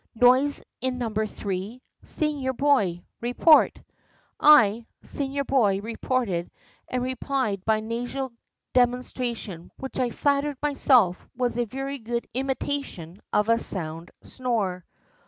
"Noise in number three: senior boy, report." I, senior boy, reported, and replied by a nasal demonstration which I flattered myself was a very good imitation of a sound snore.